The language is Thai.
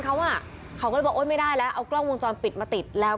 คิดว่าเขาคงจะป่วยหรืออะไรอย่างนี้เนอะ